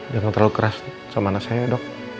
jangan terlalu keras sama anak saya dok